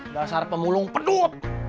basar pemulung pedut